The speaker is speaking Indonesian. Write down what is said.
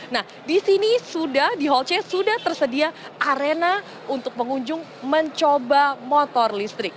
nah di sini sudah di hall c sudah tersedia arena untuk pengunjung mencoba motor listrik